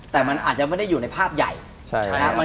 แต่มันอาจจะไม่ได้อยู่ในภาพใหญ่นะครับ